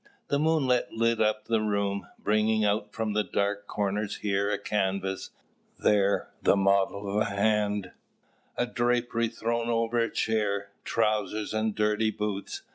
The moonlight lit up the room, bringing out from the dark corners here a canvas, there the model of a hand: a drapery thrown over a chair; trousers and dirty boots.